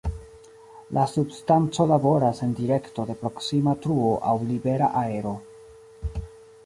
La substanco laboras en direkto de proksima truo aŭ "libera aero".